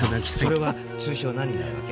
それは通称何になるわけ？